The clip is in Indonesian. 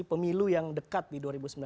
pemilu yang dekat di dua ribu sembilan belas